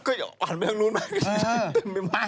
ก็อ่านไปทางนู้นแบบนี้เต็มไปมาก